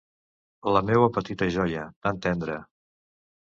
La meua petita joia, tan tendra.